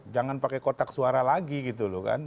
jangan pakai kotak suara lagi gitu loh kan